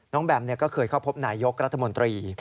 น้องแบมเคยเข้าพบนายยกรัฐมนตรี